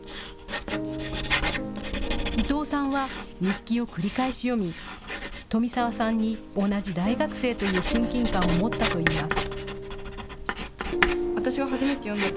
伊藤さんは日記を繰り返し読み富澤さんに同じ大学生という親近感を持ったといいます。